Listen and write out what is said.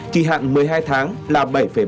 kỳ hạn một mươi hai tháng là bảy ba